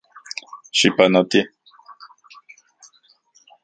Xipanotie.